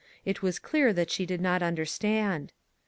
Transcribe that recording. It was clear that she did not understand.